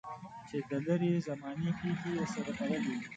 چې د لرې زمانې پېښې یې سره تړلې دي.